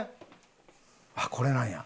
あっこれなんや。